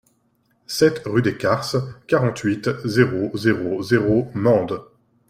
sept rue des Carces, quarante-huit, zéro zéro zéro, Mende